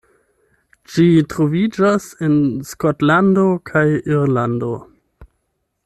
Ĝi troviĝas en Skotlando kaj Irlando.